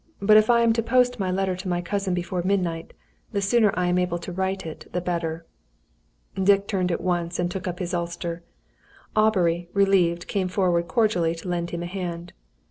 "But if I am to post my letter to my cousin before midnight, the sooner I am able to write it, the better." Dick turned at once and took up his ulster. Aubrey, relieved, came forward cordially to lend him a hand.